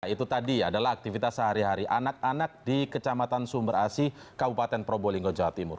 itu tadi adalah aktivitas sehari hari anak anak di kecamatan sumber asih kabupaten probolinggo jawa timur